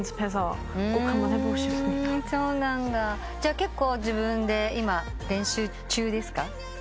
結構自分で今練習中ですか？